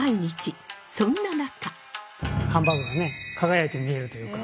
そんな中。